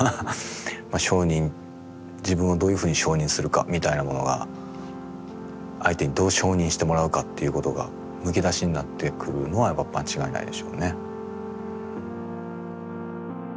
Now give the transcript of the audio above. まあ承認自分をどういうふうに承認するかみたいなものが相手にどう承認してもらうかっていうことがむき出しになってくるのはやっぱ間違いないでしょうね。